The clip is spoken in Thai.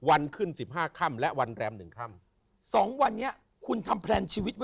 วันขึ้น๑๕คำและวันแรม๑คำ